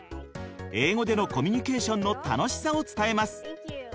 英語でのコミュニケーションの楽しさを伝えます。